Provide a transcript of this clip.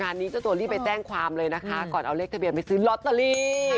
นี้เจ้าตัวรีบไปแจ้งความเลยนะคะก่อนเอาเลขทะเบียนไปซื้อลอตเตอรี่